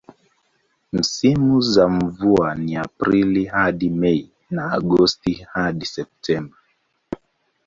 Misimu za mvua ni Aprili hadi Mei na Agosti hadi Septemba.